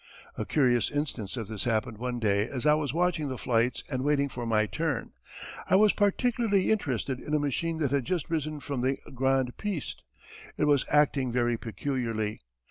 A curious instance of this happened one day as I was watching the flights and waiting for my turn. I was particularly interested in a machine that had just risen from the "Grande Piste." It was acting very peculiarly.